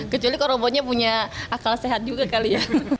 kecuali kalau robotnya punya akal sehat juga kali ya